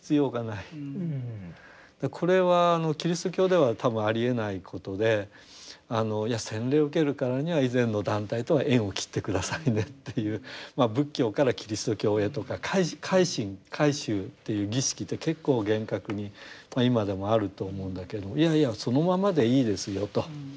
これはキリスト教では多分ありえないことで洗礼を受けるからには以前の団体とは縁を切って下さいねっていう仏教からキリスト教へとか改心改宗っていう儀式って結構厳格にまあ今でもあると思うんだけれどもいやいやそのままでいいですよと。